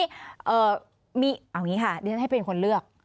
เดี๋ยวท่านให้เป็นคนเลือก